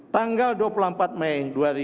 tanggal dua puluh empat mei dua ribu dua puluh